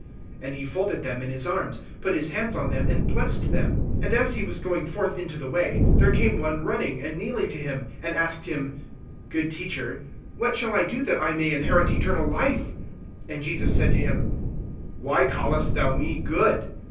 (16)And he folded them in his arms, put his hands on them, and blessed them. (17)And as he was going forth into the way, there came one running, and kneeling to him, and asked him: Good Teacher, what shall I do that I may inherit eternal life? (18)And Jesus said to him: Why callest thou me good?